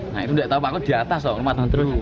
nah itu nggak tau pak aku di atas loh